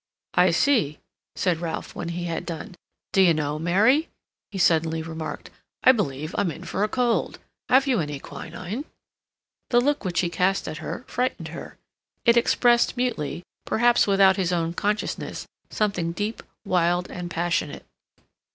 "I see," said Ralph, when he had done. "D'you know, Mary," he suddenly remarked, "I believe I'm in for a cold. Have you any quinine?" The look which he cast at her frightened her; it expressed mutely, perhaps without his own consciousness, something deep, wild, and passionate.